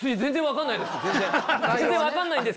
全然分かんないです！